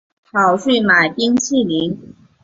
跑去买冰淇淋